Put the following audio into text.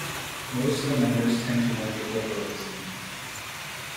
Most of the members tend to market liberalism.